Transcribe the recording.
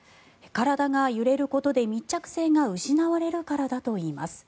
体が揺れることで密着性が失われるからだといいます。